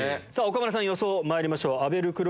岡村さん予想まいりましょう。